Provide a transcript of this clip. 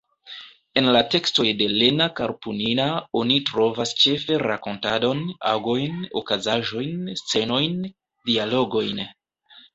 En la tekstoj de Lena Karpunina oni trovas ĉefe rakontadon, agojn, okazaĵojn, scenojn, dialogojn.